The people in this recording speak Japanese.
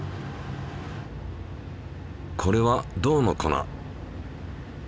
これは銅の粉。